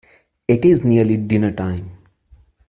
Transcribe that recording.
It is nearly dinner-time.